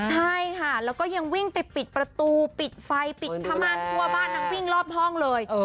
ใช่ค่ะแล้วก็ยังติดปิดประตูปิดไฟปิดผมาลทั่วบ้านก็รอบเลย